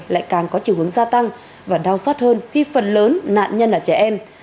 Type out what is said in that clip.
lại càng có chiều hướng gia tăng và đau xót hơn khi phần lớn nạn nhân là trẻ em